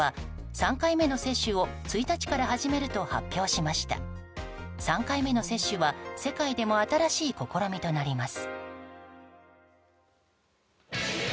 ３回目の接種は世界でも新しい試みとなります。